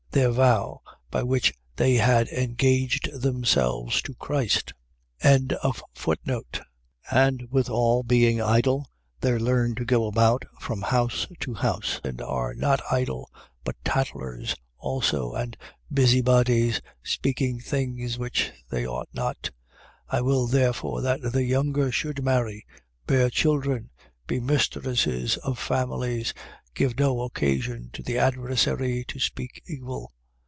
.. Their vow, by which they had engaged themselves to Christ. 5:13. And withal being idle they learn to go about from house to house: and are not only idle, but tattlers also and busy bodies, speaking things which they ought not. 5:14. I will, therefore, that the younger should marry, bear children, be mistresses of families, give no occasion to the adversary to speak evil.